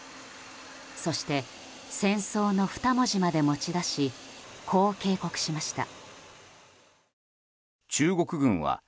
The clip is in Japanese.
そして戦争の二文字まで持ち出しこう警告しました。